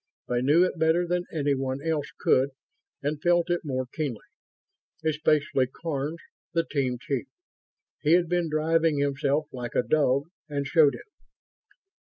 They knew it better than anyone else could, and felt it more keenly. Especially Karns, the team chief. He had been driving himself like a dog, and showed it.